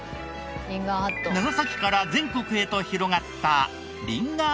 長崎から全国へと広がった。